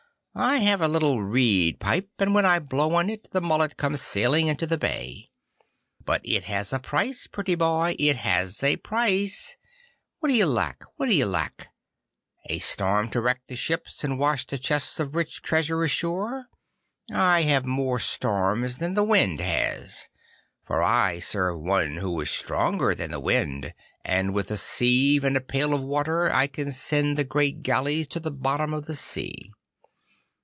I have a little reed pipe, and when I blow on it the mullet come sailing into the bay. But it has a price, pretty boy, it has a price. What d'ye lack? What d'ye lack? A storm to wreck the ships, and wash the chests of rich treasure ashore? I have more storms than the wind has, for I serve one who is stronger than the wind, and with a sieve and a pail of water I can send the great galleys to the bottom of the sea.